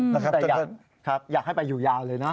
แต่อยากให้ไปอยู่ยาวเลยนะ